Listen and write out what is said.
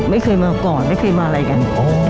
ไม่เคยมาก่อนไม่เคยมาอะไรกัน